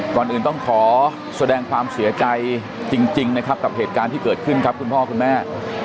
ก่อนอื่นต้องขอแสดงความเสียใจจริงนะครับกับเหตุการณ์ที่เกิดขึ้นครับคุณพ่อคุณแม่